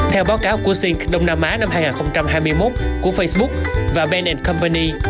theo báo cáo của sync đông nam á năm hai nghìn hai mươi một của facebook và band company